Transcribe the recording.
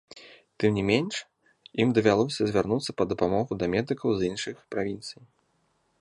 Тым не менш, ім давялося звярнуцца па дапамогу да медыкаў з іншых правінцый.